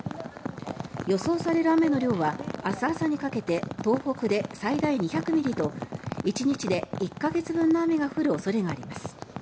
予想される雨の量は明日朝にかけて東北で最大２００ミリと１日で１か月分の雨が降る恐れがあります。